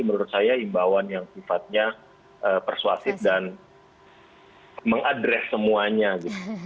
menurut saya imbauan yang sifatnya persuasif dan mengadres semuanya gitu